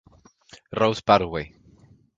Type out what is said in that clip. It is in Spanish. Rose Parkway.